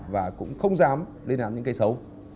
và cũng không dám lên án những cái xấu